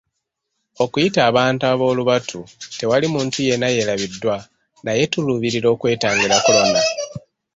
Okuyita abantu ab'olubatu tewali muntu yenna yeerabiddwa naye tuluubirira okwetangira Kolona.